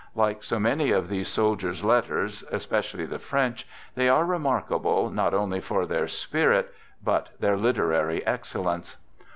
Like so many of these soldiers' letters, especially the French, they are remarkable not only for their spirit but their literary excellence.